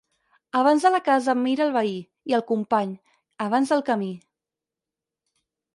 Abans de la casa mira el veí, i el company, abans del camí.